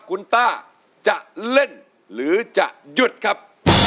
คุณต้าจะเล่นหรือจะหยุดครับ